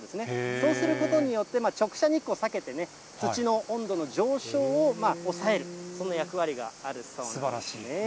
そうすることによって、直射日光を避けてね、土の温度の上昇を抑える、この役割があるそうなんですね。